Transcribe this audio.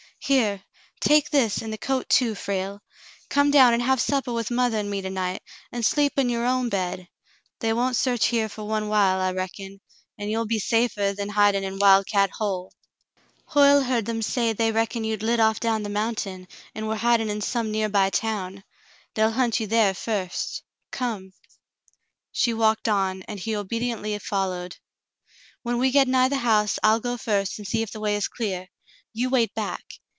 "Here, take this, and the coat, too, Frale. Come down and have suppah with mothah and me to night, and sleep in your own bed. They won't search here for one while, I reckon, and you'll be safah than hiding in Wild Cat Hole. 46 The Mountain Girl Hoyle heard them say they reckoned you'd lit off down the mountain, and were hiding in some near by town. They'll hunt you there first ; come." She walked on, and he obediently followed. When we get nigh the house, I'll go first and see if the way is clear. You wait back.